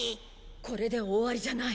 これで終わりじゃない。